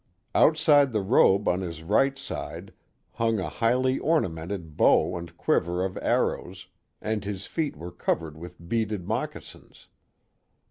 Out side the robe on his right side hung a highly ornamented bow and quiver of arrows, and his feet were covered with beaded moccasins.